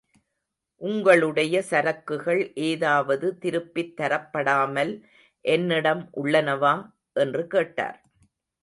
உங்களுடைய சரக்குகள் ஏதாவது திருப்பித் தரப்படாமல் என்னிடம் உள்ளனவா? என்று கேட்டார்.